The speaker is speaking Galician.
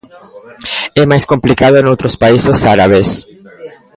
É máis complicado noutros países árabes.